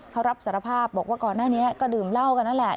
เขารับสารภาพบอกว่าก่อนหน้านี้ก็ดื่มเหล้ากันนั่นแหละ